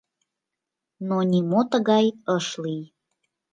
Но нимо тыгай ыш лий.